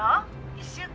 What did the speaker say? ☎１週間？